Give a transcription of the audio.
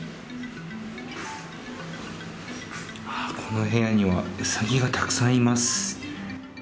この部屋にはうさぎがたくさんいます。